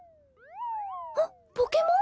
あっポケモン？